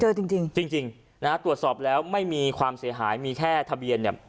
จริงจริงนะฮะตรวจสอบแล้วไม่มีความเสียหายมีแค่ทะเบียนเนี่ย